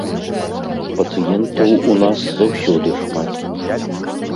Пацыентаў у нас заўсёды шмат.